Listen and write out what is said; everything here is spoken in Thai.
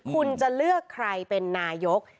คุณจะเลือกใครเป็นนายก